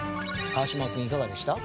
川島君いかがでした？